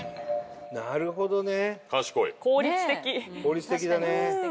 なるほどね。